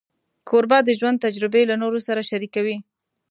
کوربه د ژوند تجربې له نورو سره شریکوي.